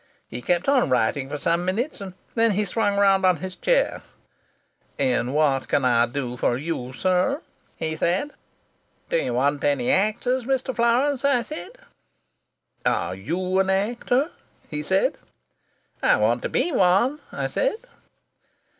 He kept on writing for some minutes, and then he swung round on his chair. "'And what can I do for you, sir?' he said. "'Do you want any actors, Mr. Florance?' I said. "'Are you an actor?' he said. "'I want to be one,' I said.